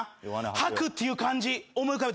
「吐く」っていう漢字思い浮かべて。